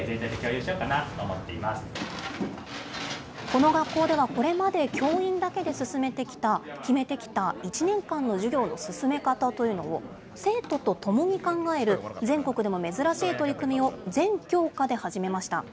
この学校では、これまで教員だけで進めてきた、決めてきた、１年間の授業の進め方というのを、生徒と共に考える全国でも珍しい取り組みを、全教科で始めました。